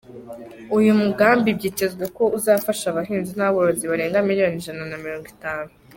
Uyu mugambi byitezwe ko uzafasha abahinzi n'aborozi barenga miliyoni ijana na mirongo itanu.